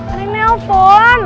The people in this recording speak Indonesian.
ada yang telfon